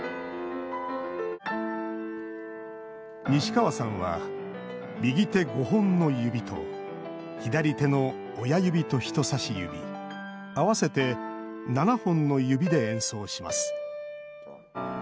西川さんは右手５本の指と左手の親指と人さし指合わせて７本の指で演奏します。